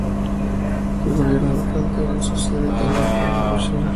El gobierno local tiene su sede en la avenida Lushan.